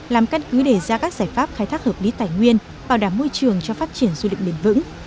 làm căn cứ để ra các giải pháp khai thác hợp lý tài nguyên bảo đảm môi trường cho phát triển du lịch bền vững